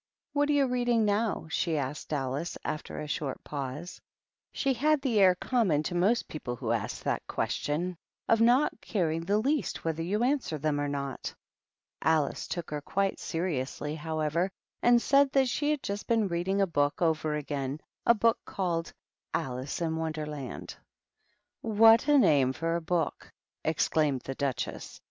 What are you reading now ?" she asked Alice, aflter a short pause. She had the air common to most people who ask that question, of not caring the least whether you answer them or not. Alice took her quite seriously, however, and said that she had just been reading over again a book called Alice in Wonderland. " What a name for a book!" exclaimed the Duchess.